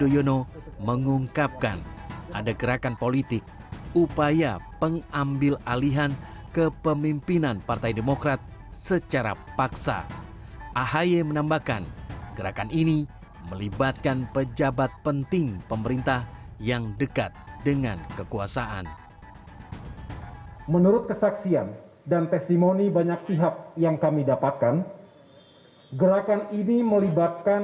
jalan proklamasi jatah pusat